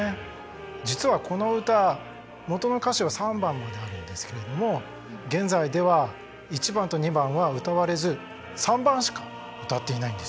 実はこの歌元の歌詞は３番まであるんですけれども現在では１番と２番は歌われず３番しか歌っていないんです。